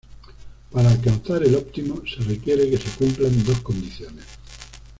Para alcanzar el óptimo se requiere que se cumplan dos condiciones.